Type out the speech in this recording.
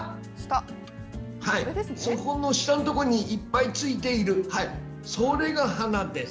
その下のところにいっぱいついているそれが花です。